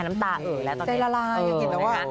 น้ำตาเหลือแล้วใจละลายยังอิ่งแล้ว